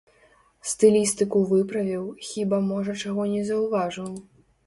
Стылістыку выправіў, хіба можа чаго не заўважыў.